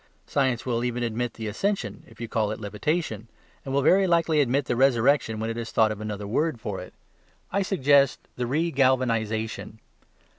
Science will even admit the Ascension if you call it Levitation, and will very likely admit the Resurrection when it has thought of another word for it. I suggest the Regalvanisation.